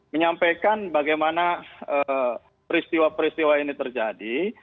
menyampaikan bagaimana peristiwa peristiwa ini terjadi